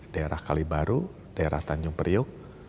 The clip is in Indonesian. daerah kalibaru daerah tanjung priuk